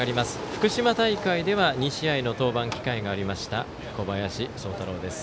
福島大会では２試合の登板機会がありました小林聡太朗です。